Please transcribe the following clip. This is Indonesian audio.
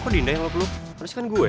kok dinda yang love lo harusnya kan gue